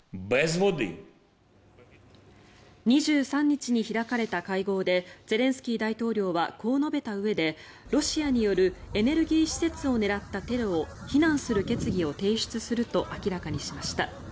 ２３日に開かれた会合でゼレンスキー大統領はこう述べたうえでロシアによるエネルギー施設を狙ったテロを非難する決議を提出すると明らかにしました。